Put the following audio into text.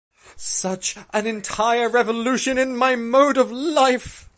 Such an entire revolution in my mode of life!